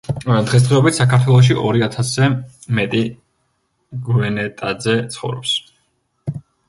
დღესდღეობით საქართველოში ორი ათასზე მეტი გვენეტაძე ცხოვრობს.